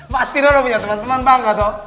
pasti nona punya temen temen paham gak toh